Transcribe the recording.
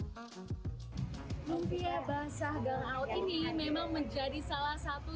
lumpia basah gangout ini memang menjadi salah satu